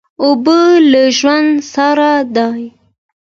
اوبه له ژوند سره دي.